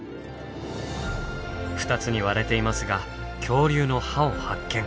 ２つに割れていますが恐竜の歯を発見。